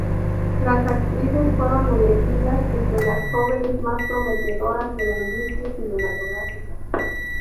Las actrices fueron elegidas entre las jóvenes más prometedoras de la industria cinematográfica.